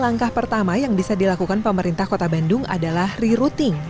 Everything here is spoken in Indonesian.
langkah pertama yang bisa dilakukan pemerintah kota bandung adalah rerouting